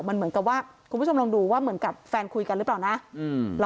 มันเหมือนกับว่าคุณผู้ชมลองดูว่าเหมือนกับแฟนคุยกันหรือเปล่านะ